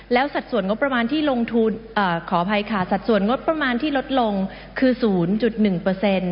แล้วสัดส่วนงบประมาณที่ลงทุนขออภัยค่ะสัดส่วนงบประมาณที่ลดลงคือ๐๑เปอร์เซ็นต์